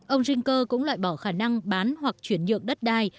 ông jinger cũng loại bỏ khả năng bán hoặc chuyển nhượng đất đai